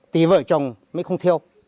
thì vợ chồng mới không thiêu